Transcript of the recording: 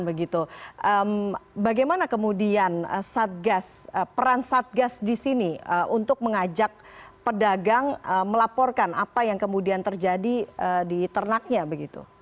bagaimana kemudian satgas peran satgas di sini untuk mengajak pedagang melaporkan apa yang kemudian terjadi di ternaknya begitu